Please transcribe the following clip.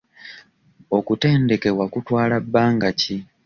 Okutendekebwa kutwala bbanga ki?